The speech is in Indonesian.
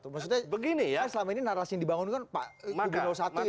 maksudnya kan selama ini naras yang dibangun kan pak kubur satu yang kemudian berhubung